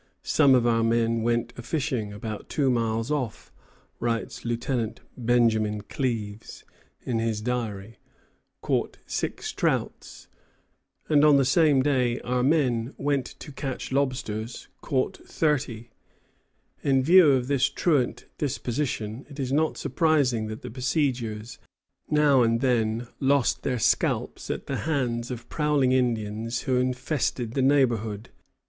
"Some of our men went a fishing, about 2 miles off," writes Lieutenant Benjamin Cleaves in his diary: "caught 6 Troutts." And, on the same day, "Our men went to catch Lobsters: caught 30." In view of this truant disposition, it is not surprising that the besiegers now and then lost their scalps at the hands of prowling Indians who infested the neighborhood.